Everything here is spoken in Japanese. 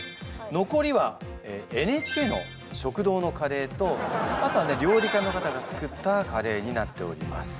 残りはＮＨＫの食堂のカレーとあとはね料理家の方が作ったカレーになっております。